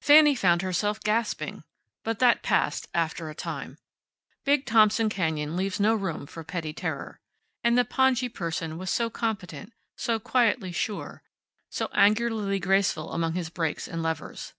Fanny found herself gasping. But that passed after a time. Big Thompson canyon leaves no room for petty terror. And the pongee person was so competent, so quietly sure, so angularly graceful among his brakes and levers.